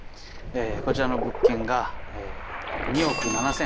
こちらの物件が。